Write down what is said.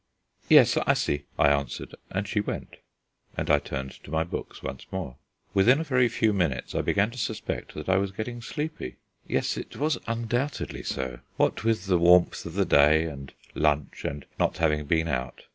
"Yes, I see," I answered; and she went, and I turned to my books once more. Within a very few minutes I began to suspect that I was getting sleepy. Yes, it was undoubtedly so. What with the warmth of the day, and lunch, and not having been out....